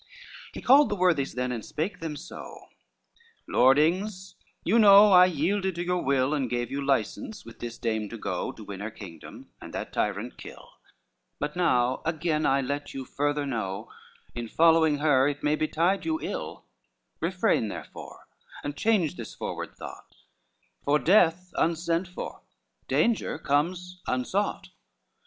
III He called the worthies then, and spake them so: "Lordlings, you know I yielded to your will, And gave you license with this dame to go, To win her kingdom and that tyrant kill: But now again I let you further know, In following her it may betide yon ill; Refrain therefore, and change this forward thought For death unsent for, danger comes unsought.